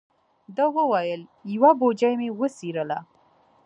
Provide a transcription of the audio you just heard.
ده و ویل: یوه بوجۍ مې وڅیرله.